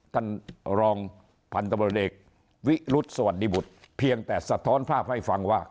ท่านรองพันธบทเอกวิรุธสวัสดีบุตรเพียงแต่สะท้อนภาพให้ฟังว่า